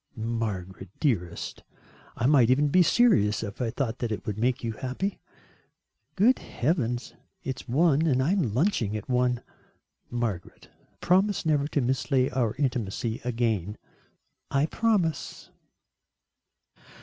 "Margaret, dearest, I might even be serious if I thought that it would make you happy." "Good heavens, it's one, and I am lunching at one." "Margaret, promise never to mislay our intimacy again." "I promise."